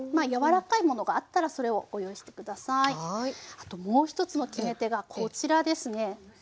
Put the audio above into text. あともう１つの決め手がこちらですね。